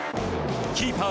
キーパー